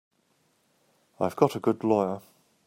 I've got a good lawyer.